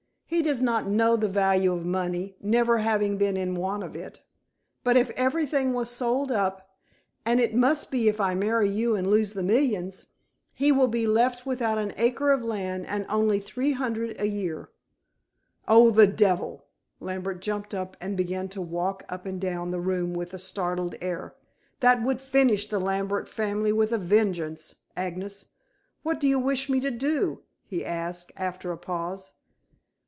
He does not know the value of money, never having been in want of it. But if everything was sold up and it must be if I marry you and lose the millions he will be left without an acre of land and only three hundred a year." "Oh, the devil!" Lambert jumped up and began to walk up and down the room with a startled air. "That would finish the Lambert family with a vengeance, Agnes. What do you wish me to do?" he asked, after a pause.